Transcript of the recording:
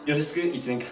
１年間。